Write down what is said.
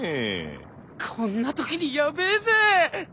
こんなときにヤベえぜ。